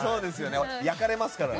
焼かれますからね。